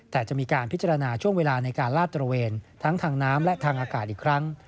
แต่จะมีการพิจารณาช่วงเวลาในการลาดตระเวนทั้งทางน้ำและทางอากาศอีกครั้ง